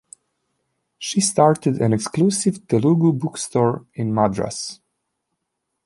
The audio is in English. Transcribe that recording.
She started an exclusive Telugu bookstore in Madras.